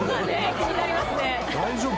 気になりますね大丈夫？